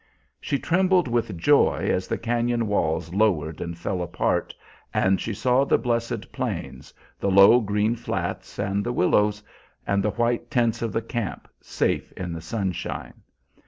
She trembled with joy as the cañon walls lowered and fell apart, and she saw the blessed plains, the low green flats and the willows, and the white tents of the camp, safe in the sunshine.